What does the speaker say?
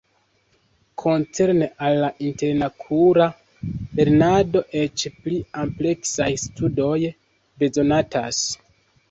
Koncerne al la interkultura lernado eĉ pli ampleksaj studoj bezonatas.